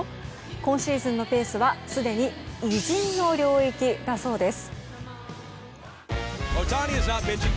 今シーズンのペースはすでに偉人の領域だそうです。